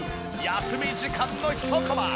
休み時間のひとコマ。